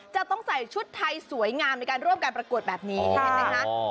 จะต้องใส่ชุดไทยสวยงามในการร่วมการประกวดแบบนี้เห็นไหมคะ